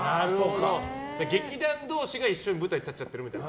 劇団同士が一緒に舞台に立っちゃってるみたいな。